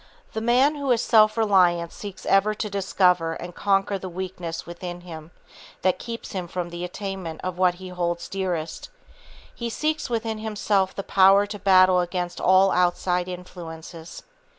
The man who is self reliant seeks ever to discover and conquer the weakness within him that keeps him from the attainment of what he holds dearest; he seeks within himself the power to battle against all outside influences.